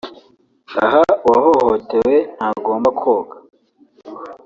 Aha uwahohotewe ntagomba koga